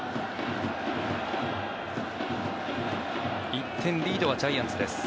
１点リードはジャイアンツです。